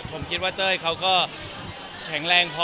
ผมคิดว่าเต้ยเขาก็แข็งแรงพอ